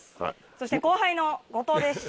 そして後輩の五島です。